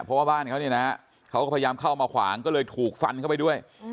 เพราะว่าบ้านเขาเนี่ยนะเขาก็พยายามเข้ามาขวางก็เลยถูกฟันเข้าไปด้วย